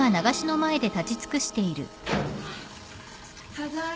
ただいま。